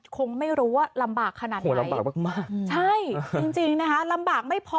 คงไม่รู้ว่าลำบากขนาดไหนลำบากมากใช่จริงนะคะลำบากไม่พอ